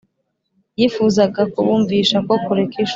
yifuzaga kubumvisha ko kureka ishuri